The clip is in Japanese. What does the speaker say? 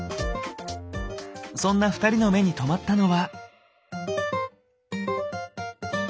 そんな２人の目に留まったのは。